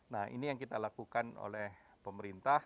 nah ini yang kita lakukan oleh pemerintah